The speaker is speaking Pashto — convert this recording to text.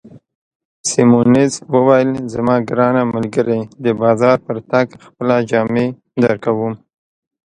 سیمونز وویل: زما ګرانه ملګرې، د بازار پر تګ خپله جامې درکوم.